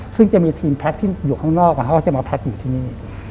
ซึ่งจะมีทีมแพ็คที่อยู่ข้างนอกเขาก็จะมาแพ็คอยู่ที่นี่